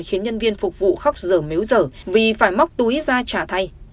khiến nhân viên phục vụ khóc dở méo dở vì phải móc túi ra trả thay